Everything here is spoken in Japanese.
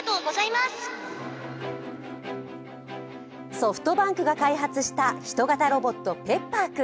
ソフトバンクが開発したヒト型ロボットＰｅｐｐｅｒ君。